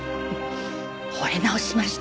惚れ直しました。